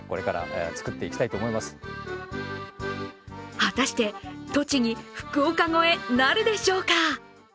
果たして栃木、福岡超えなるでしょうか。